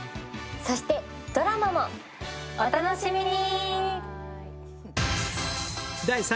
そしてドラマもお楽しみに！